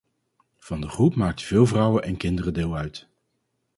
Van de groep maakten veel vrouwen en kinderen deel uit.